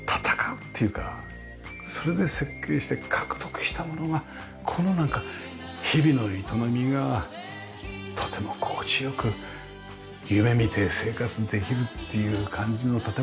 それで設計して獲得したものがこのなんか日々の営みがとても心地良く夢見て生活できるっていう感じの建物になってますよね。